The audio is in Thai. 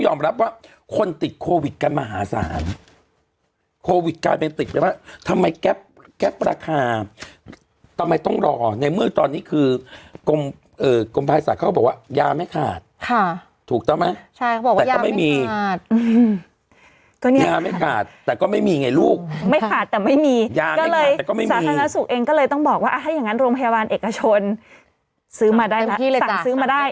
อย่างนั้นโรงพยาบาลเอกชนสั่งซื้อมาได้